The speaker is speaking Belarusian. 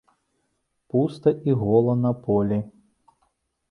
Пуста і гола на полі.